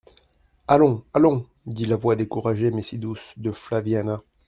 «Allons … allons …» dit la voix, découragée mais si douce, de Flaviana.